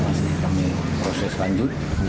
masih kami proses lanjut